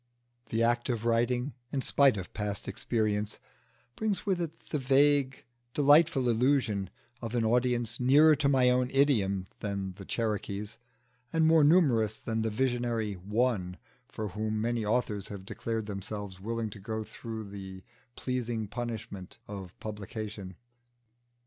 The act of writing, in spite of past experience, brings with it the vague, delightful illusion of an audience nearer to my idiom than the Cherokees, and more numerous than the visionary One for whom many authors have declared themselves willing to go through the pleasing punishment of publication.